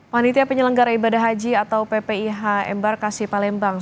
panitia penyelenggara ibadah haji atau ppih embarkasi palembang